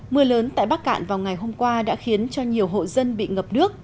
mưa lớn tại bắc cạn vào ngày hôm qua đã khiến cho nhiều hộ dân bị ngập nước